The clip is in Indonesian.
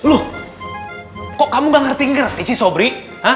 loh kok kamu gak ngerti ngerti sobri